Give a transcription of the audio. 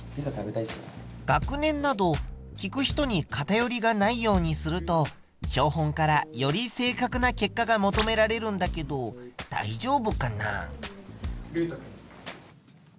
学年など聞く人に偏りがないようにすると標本からより正確な結果が求められるんだけどだいじょうぶかな？